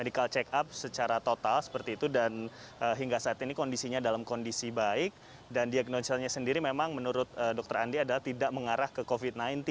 diagnosasi baik dan diagnosanya sendiri memang menurut dokter andi adalah tidak mengarah ke covid sembilan belas